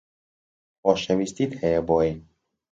خۆشەویستیت هەیە بۆی